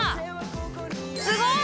すごい！